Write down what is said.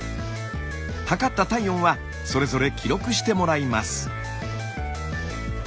測った体温はそれぞれ記録してもらいます。